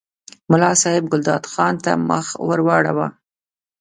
ملا صاحب ګلداد خان ته مخ ور واړاوه.